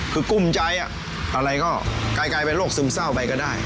คือกุ้มใจอะไรก็กลายเป็นโรคซึมเศร้าไปก็ได้